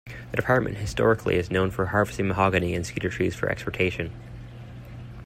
The department, historically, is known for harvesting mahogany and cedar trees for exportation.